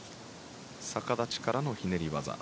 逆立ちからのひねり技。